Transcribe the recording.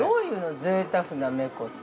ぜいたくなめこって。